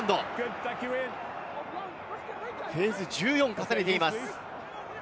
フェーズ１４を重ねています。